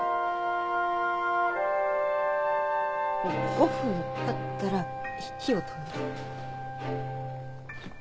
５分経ったら火を止める。